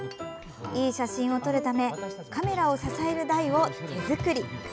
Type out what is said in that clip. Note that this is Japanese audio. いい写真を撮るためカメラを支える台を手作り。